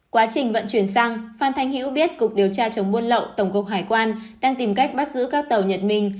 quá trình vận chuyển sang phan thanh hiễu biết cục điều tra chống buôn lậu tổng cục hải quan đang tìm cách bắt giữ các tàu nhật minh